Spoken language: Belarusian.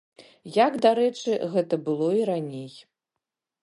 Як дарэчы, гэта было і раней.